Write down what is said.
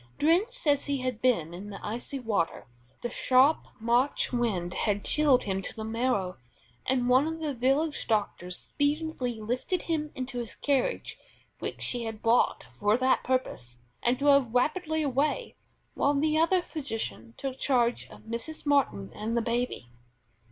Drenched as he had been in the icy river, the sharp March wind had chilled him to the marrow, and one of the village doctors speedily lifted him into his carriage which he had brought for that purpose, and drove rapidly away, while the other physician took charge of Mrs. Martin and the baby.